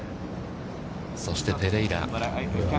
そして、ペレイラ。